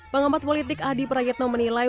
pengamat politik adi prayetno menilai